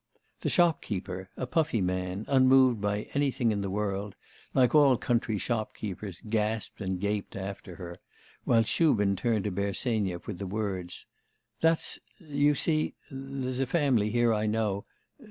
The shopkeeper, a puffy man, unmoved by anything in the world, like all country shopkeepers gasped and gaped after her, while Shubin turned to Bersenyev with the words: 'That's... you see... there's a family here I know...